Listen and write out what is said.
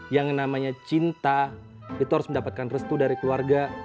yang namanya cinta itu harus mendapatkan restu dari keluarga